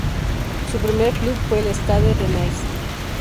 Su primer club fue el Stade Rennais.